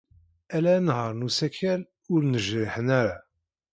Ala anehhaṛ n usakal ur yejriḥen ara.